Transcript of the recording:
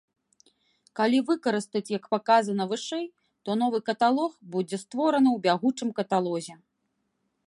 Калі выкарыстаць як паказана вышэй, то новы каталог будзе створаны ў бягучым каталозе.